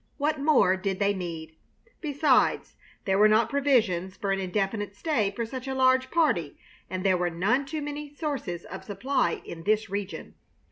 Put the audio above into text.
What more did they need? Besides, there were not provisions for an indefinite stay for such a large party, and there were none too many sources of supply in this region.